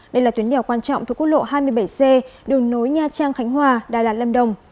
đây là tuyến đèo quan trọng thuộc quốc lộ hai mươi bảy c đường nối nha trang khánh hòa đà lạt lâm đồng